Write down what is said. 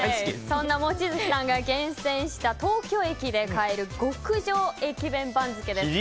そんな望月さんが厳選した東京駅で買える極上駅弁番付です。